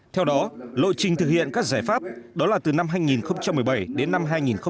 theo đó lộ trình thực hiện các giải pháp đó là từ năm hai nghìn một mươi bảy đến năm hai nghìn hai mươi